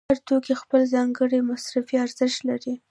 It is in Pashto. هر توکی خپل ځانګړی مصرفي ارزښت لري